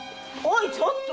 ちょっと！